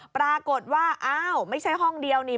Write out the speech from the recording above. ปรากฏว่าอ้าวไม่ใช่ห้องเดียวนี่